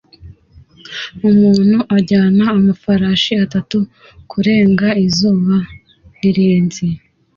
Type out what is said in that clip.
Umuntu ajyana amafarashi atatu kurenga izuba rirenze